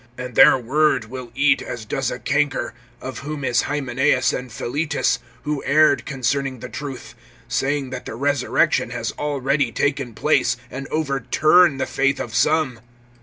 (17)And their word will eat as does a canker; of whom is Hymenaeus and Philetus; (18)who erred concerning the truth, saying that the resurrection has already taken place, and overturn the faith of some.